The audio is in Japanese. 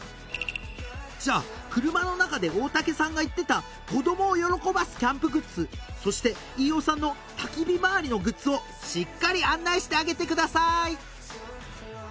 じゃあ車の中で大竹さんが言ってた子どもを喜ばすキャンプグッズそして飯尾さんのたき火周りのグッズをしっかり案内してあげてください